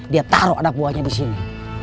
dia taruh anak buahnya di sini